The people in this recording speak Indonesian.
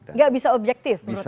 nggak bisa objektif menurut anda